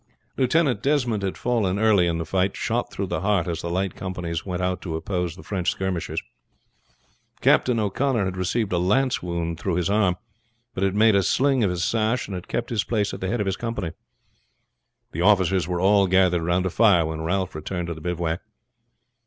Lieutenant Desmond had fallen early in the fight, shot through the heart as the light companies went out to oppose the French skirmishers. Captain O'Connor had received a lance wound through his arm; but had made a sling of his sash, and had kept his place at the head of his company. The officers were all gathered round a fire when Ralph returned to the bivouac.